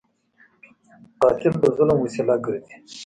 قاتل د ظلم وسیله ګرځي